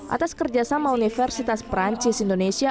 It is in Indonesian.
atas kerjasama universitas perancis indonesia